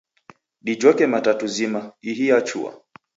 Dijhoke matatu zima, ihi yachua